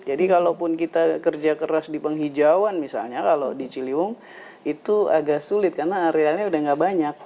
jadi kalaupun kita kerja keras di penghijauan misalnya kalau di ciliwung itu agak sulit karena arealnya udah nggak banyak